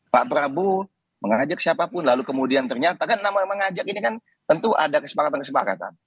pak prabowo mengajak siapapun lalu kemudian ternyata kan nama yang mengajak ini kan tentu ada kesepakatan kesepakatan